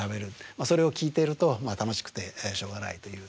それを聞いていると楽しくてしょうがないという。